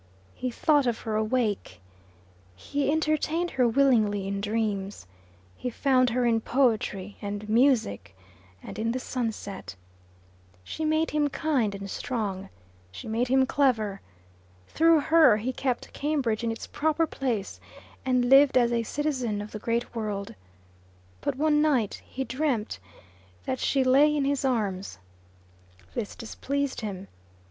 He thought of her awake. He entertained her willingly in dreams. He found her in poetry and music and in the sunset. She made him kind and strong. She made him clever. Through her he kept Cambridge in its proper place, and lived as a citizen of the great world. But one night he dreamt that she lay in his arms. This displeased him.